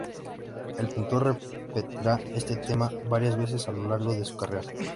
El pintor repetirá este tema varias veces a lo largo de su carrera.